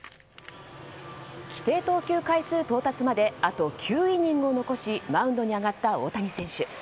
規定投球回数到達まであと９イニングを残しマウンドに上がった大谷選手。